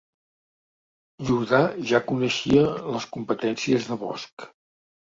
Jordà ja coneixia les competències de Bosch